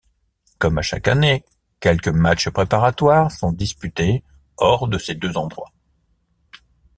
Comme à chaque année, quelques matchs préparatoires sont disputés hors de ces deux endroits.